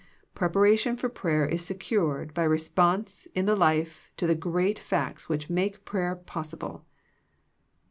Preparation for prayer is secured by response in the life to the great facts which make prayer possible.